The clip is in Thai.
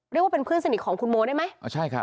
เรียกว่าเป็นเพื่อนสนิทของคุณโมได้ไหม